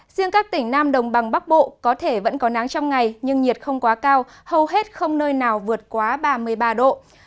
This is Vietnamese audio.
riêng các tỉnh nam đồng bằng bắc bộ có thể vẫn có nắng trong ngày nhưng nhiệt không quá cao hầu hết không nơi nào vượt quá ba mươi ba độ